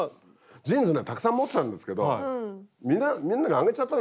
ジーンズたくさん持ってたんですけどみんなにあげちゃったんですよ。